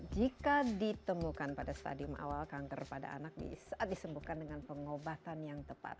jika ditemukan pada stadium awal kanker pada anak saat disembuhkan dengan pengobatan yang tepat